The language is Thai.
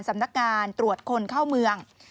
สำนักงานตรวจคนเข้าเมือง